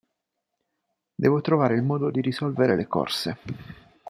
Devo trovare il modo di risolvere le corse.